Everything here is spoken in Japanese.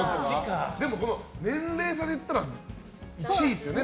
でも、年齢差でいったら１位ですよね。